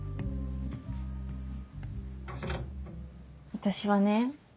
私はね